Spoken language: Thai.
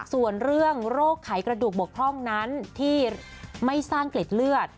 ส่วนเรื่องโรคไขกระดูกบกพร่องนั้นที่ไม่สร้างเกล็ดเลือด